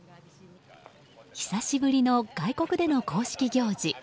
久しぶりの外国での公式行事。